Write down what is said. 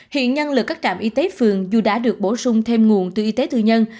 hiện nhân lực các trạm y tế phường dù đã được bổ sung thêm nguồn từ y tế tư nhân